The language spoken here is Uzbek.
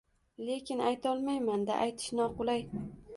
Lekin aytolmayman-da, aytish noqulay